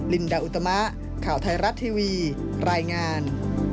ลินดาอุตมะข่าวไทยรัฐทีวีรายงาน